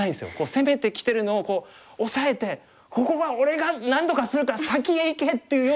攻めてきてるのを抑えて「ここは俺がなんとかするから先へいけ！」っていうような。